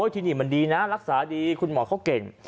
ที่นี่มันดีนะรักษาดีคุณหมอเขาเก่ง